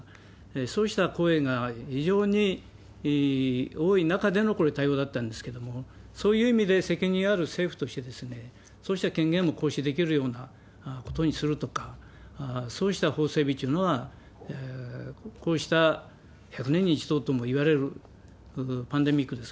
そうした声が非常に多い中でのこれ、対応だったんですけども、そういう意味で、責任ある政府として、そうした権限も行使できるようなことにするとか、そうした法整備というのは、こうした１００年に１度ともいわれるパンデミックです。